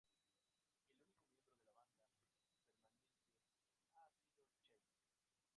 El único miembro de la banda permanente ha sido Cheese.